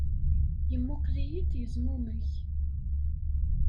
Yemmuqqel-iyi-d, yezmumeg.